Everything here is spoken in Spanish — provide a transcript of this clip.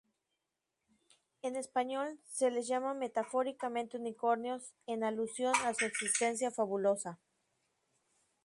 En español se las llama metafóricamente "unicornios", en alusión a su existencia fabulosa.